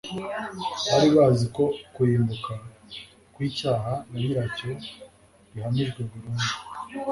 bari bazi ko kurimbuka kw'icyaha na nyiracyo bihamijwe burundu,